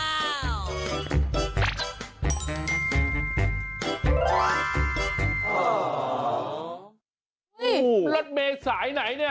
นี่รถเมย์สายไหนนี่